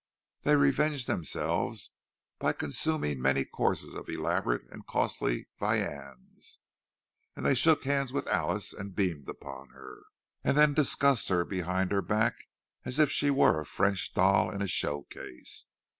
They revenged themselves by consuming many courses of elaborate and costly viands; and they shook hands with Alice and beamed upon her, and then discussed her behind her back as if she were a French doll in a show case.